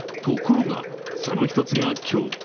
ところが、そのひとつが今日。